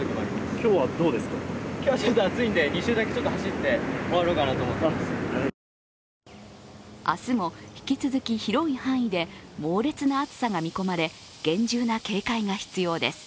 今日は暑いので２周走って明日も引き続き広い範囲で猛烈な暑さが見込まれ、厳重な警戒が必要です。